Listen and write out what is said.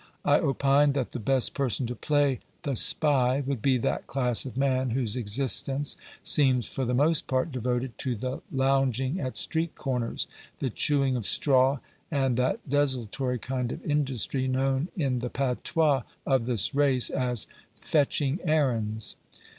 I opined that the best person to play the spy would be that class of man whose existence seems for the most part devoted to the lounging at street corners, the chewing of straw, and that desultory kind of industry known in the patois of this race as "fetching errands."